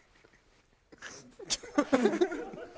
ハハハハ！